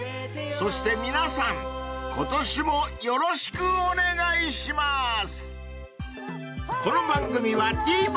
［そして皆さん今年もよろしくお願いします！］